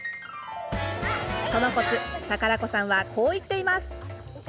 そのコツ、宝子さんはこう言ってます。